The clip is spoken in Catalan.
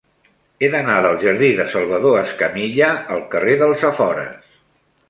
He d'anar del jardí de Salvador Escamilla al carrer dels Afores.